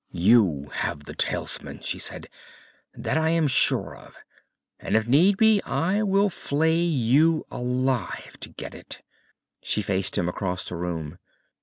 "You have the talisman," she said. "That I am sure of. And if need be, I will flay you alive to get it!" She faced him across the room.